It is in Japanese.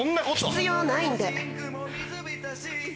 必要ないんで。